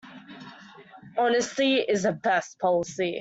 Honesty is the best policy.